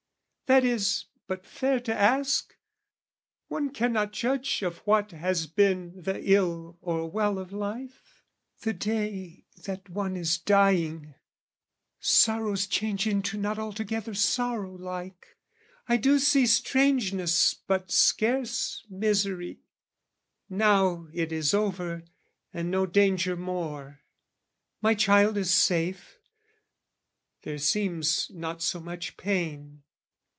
That is but fair to ask: one cannot judge Of what has been the ill or well of life, The day that one is dying sorrows change Into not altogether sorrow like; I do see strangeness but scarce misery, Now it is over, and no danger more. My child is safe; there seems not so much pain.